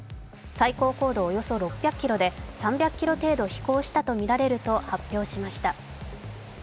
最高高度およそ６００ｋｍで３００ｋｍ程度飛行したとみられると発表しました。